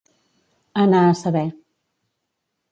Anar a saber.